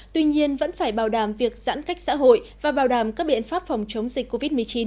tuy nhiên vẫn phải bảo đảm việc giãn cách xã hội và bảo đảm các biện pháp phòng chống dịch covid một mươi chín